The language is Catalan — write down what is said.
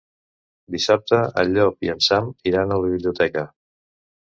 Dissabte en Llop i en Sam iran a la biblioteca.